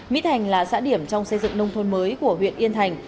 mỹ thành là xã điểm trong xây dựng nông thôn mới của huyện yên thành